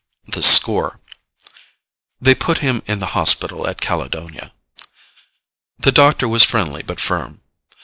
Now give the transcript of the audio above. THE SCORE They put him in the hospital at Caledonia. The doctor was friendly but firm.